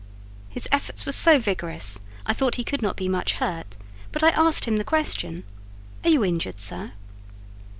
His efforts were so vigorous, I thought he could not be much hurt; but I asked him the question— "Are you injured, sir?"